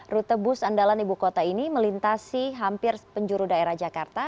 rute bus andalan ibu kota ini melintasi hampir penjuru daerah jakarta